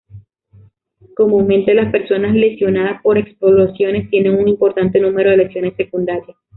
Comúnmente, las personas lesionadas por explosiones tienen un importante número de lesiones secundarias.